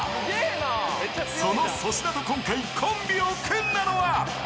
［その粗品と今回コンビを組んだのは］